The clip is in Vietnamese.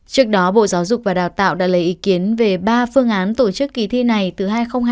trước đó bộ giáo dục và đào tạo đã lấy ý kiến về ba phương án tổ chức kỳ thi này từ hai nghìn hai mươi